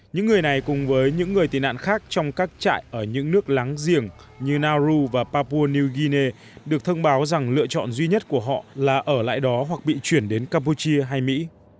những người này cùng với những người tị nạn khác trong các trại ở những nước láng giềng như nau và papua new guinea được thông báo rằng lựa chọn duy nhất của họ là ở lại đó hoặc bị chuyển đến campuchia hay mỹ